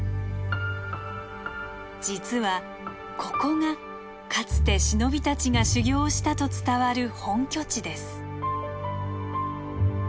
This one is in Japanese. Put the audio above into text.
実はここがかつて忍びたちが修行をしたと伝わる本拠地です。